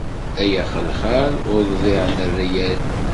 Ay axelxal uḍbiɛ n rryal.